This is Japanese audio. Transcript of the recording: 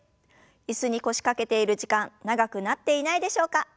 椅子に腰掛けている時間長くなっていないでしょうか？